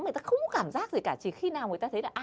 người ta không có cảm giác gì cả chỉ khi nào người ta thấy là